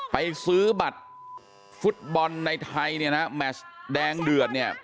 ไปซื้อบัตรฟุตบอลในไทยเนี่ยนะแมชแดงเดือดเนี่ย